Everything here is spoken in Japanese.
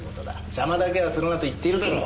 邪魔だけはするなと言っているだろう。